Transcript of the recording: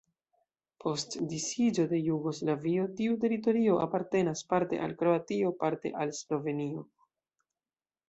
Post disiĝo de Jugoslavio tiu teritorio apartenas parte al Kroatio, parte al Slovenio.